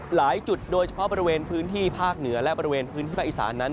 หลายจุดโดยเฉพาะบริเวณพื้นที่ภาคเหนือและบริเวณพื้นที่ภาคอีสานนั้น